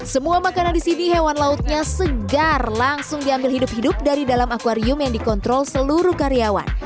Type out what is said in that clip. semua makanan di sini hewan lautnya segar langsung diambil hidup hidup dari dalam akwarium yang dikontrol seluruh karyawan